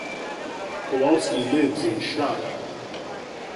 Kowalski lives in Stade.